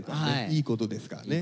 いいことですからね。